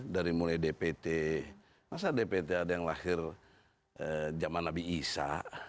dari mulai dpt masa dpt ada yang lahir zaman nabi isa